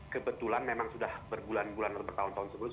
kebetulan memang sudah berbulan bulan bertahun tahun sebelumnya